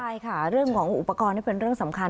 ใช่ค่ะเรื่องของอุปกรณ์นี่เป็นเรื่องสำคัญ